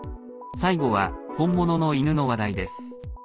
最後は、本物の犬の話題です。